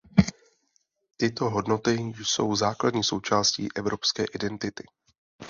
Tyto hodnoty jsou základní součástí evropské identity.